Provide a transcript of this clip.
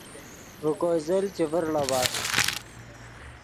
ڤے کوئے زل چے ڤڑا بݰ